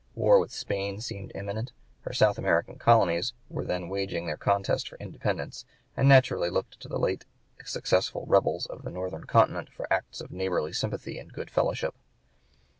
War with Spain seemed imminent. Her South American colonies were then waging their contest for independence, and naturally looked to the late successful rebels of the northern continent for acts of neighborly sympathy and good fellowship.